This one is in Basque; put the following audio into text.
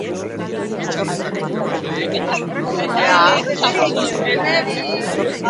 Ikerketarako langileak prestatu nahi zituzten.